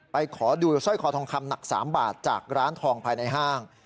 ขอดูสร้อยคอทองคำหนัก๓บาทจากร้านทองภายในห้าง